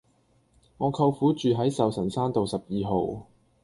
我舅父住喺壽臣山道十二號